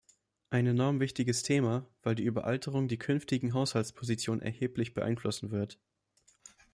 Ein enorm wichtiges Thema, weil die Überalterung die künftigen Haushaltspositionen erheblich beeinflussen wird.